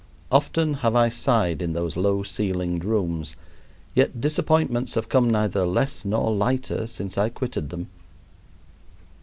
Often have I sighed in those low ceilinged rooms, yet disappointments have come neither less nor lighter since I quitted them.